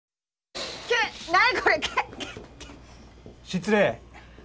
失礼。